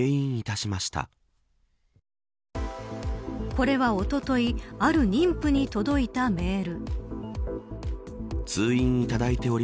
これは、おとといある妊婦に届いたメール。